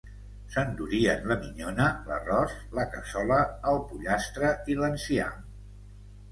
S'endurien la minyona, l'arròs, la cassola, el pollastre i l'enciam